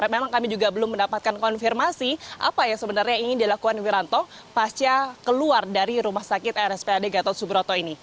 memang kami juga belum mendapatkan konfirmasi apa yang sebenarnya ingin dilakukan wiranto pasca keluar dari rumah sakit rspad gatot subroto ini